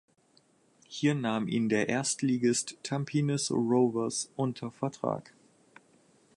Hier nahm ihn der Erstligist Tampines Rovers unter Vertrag.